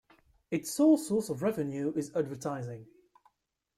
Its sole source of revenue is advertising.